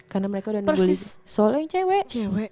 karena mereka udah nungguin soalnya yang cewek